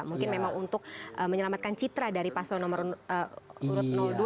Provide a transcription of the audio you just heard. mungkin memang untuk menyelamatkan citra dari paslon nomor urut dua